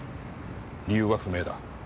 理由は不明だ。